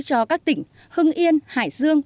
cho các tỉnh hưng yên hải dương